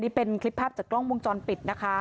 นี่เป็นคลิปภาพจากกล้องวงจรปิดนะคะ